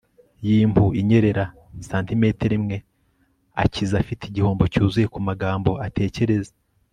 yimpu inyerera cm imwe akiza afite igihombo cyuzuye kumagambo atekereza